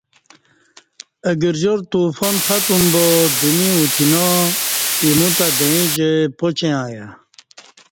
اہ گرجار طوفان ختم با دمی اُتینا، اِیمیو تہ دعیں جائی پاچیں ایا